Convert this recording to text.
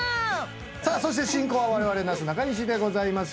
さあそして進行はわれわれなすなかにしでございます。